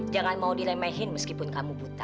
jangan mau dilemehin meskipun kamu buta